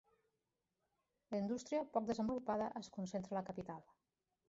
La indústria, poc desenvolupada, es concentra a la capital.